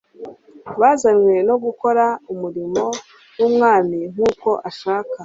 buzanyve no gukora umurimo w'Umwami nk'uko ashaka.